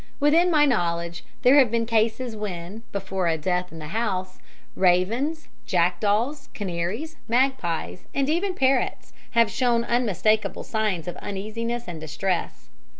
Within my knowledge there have been cases when, before a death in the house, ravens, jackdaws, canaries, magpies, and even parrots, have shown unmistakable signs of uneasiness and distress.